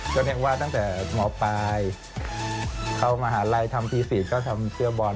ก็เรียกว่าตั้งแต่หมอปลายเข้ามหาลัยทำปี๔ก็ทำเสื้อบอล